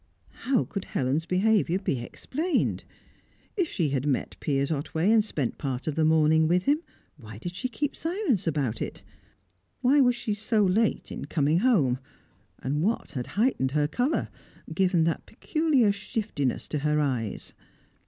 How could Helen's behaviour be explained? If she had met Piers Otway and spent part of the morning with him, why did she keep silence about it? Why was she so late in coming home, and what had heightened her colour, given that peculiar shiftiness to her eyes?